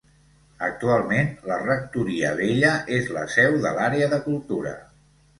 Actualment la Rectoria Vella és la seu de l'Àrea de Cultura.